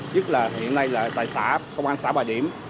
nhất là hiện nay là tại xã công an xã bà điểm